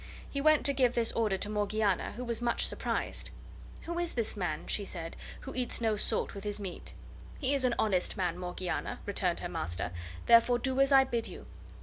He went to give this order to Morgiana, who was much surprised. "Who is this man," she said, "who eats no salt with his meat?" "He is an honest man, Morgiana," returned her master; "therefore do as I bid you."